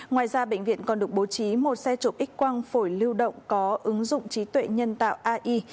ngoài ra bệnh viện còn được bố trí một xe chụp x quang phổi lưu động có ứng dụng trí tuệ nhân tạo ai